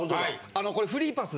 あのこれフリーパス。